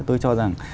tôi cho rằng